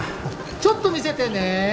ちょっと見せてね。